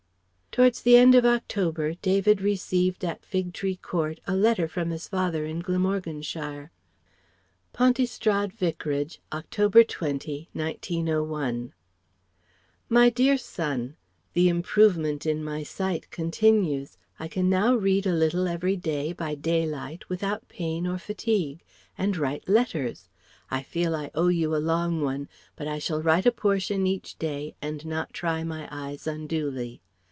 Towards the end of October, David received at Fig Tree Court a letter from his father in Glamorganshire. Pontystrad Vicarage, October 20, 1901. MY DEAR SON, The improvement in my sight continues. I can now read a little every day, by daylight, without pain or fatigue, and write letters. I feel I owe you a long one; but I shall write a portion each day and not try my eyes unduly.